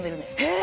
え！？